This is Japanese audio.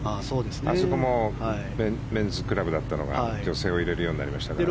あそこもメンズクラブだったのが女性を入れるようになりましたから。